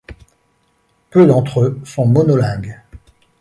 Peu d'entre eux sont monolingues.